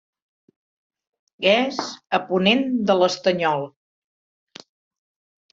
És a ponent de l'Estanyol.